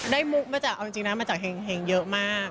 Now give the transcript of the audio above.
มุกมาจากเอาจริงนะมาจากเห็งเยอะมาก